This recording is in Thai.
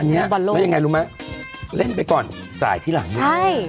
อันนี้บอลโลกแล้วยังไงรู้ไหมเล่นไปก่อนจ่ายทีหลังใช่